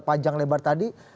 panjang lebar tadi